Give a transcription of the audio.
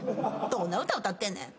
どんな歌歌ってんねん。